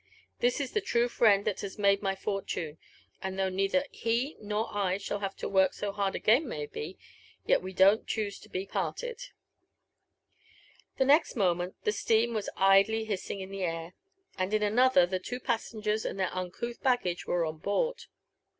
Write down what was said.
This is the true friend that has made my fortune; and though neither he nor I shall have need to work so hard again maybe, yet we don't choose to be parted." JONATHAN JEFFERSON WHITLAW. «9 The next moment the steam was idly hissing to the air, and in an other the two passengers and their uncouth baggage were on board.